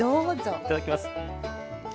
いただきます。